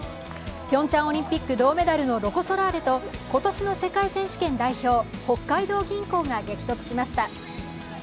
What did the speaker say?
ピョンチャンオリンピック銅メダルのロコ・ソラーレと今年の世界選手権代表、北海道銀行が激突しました。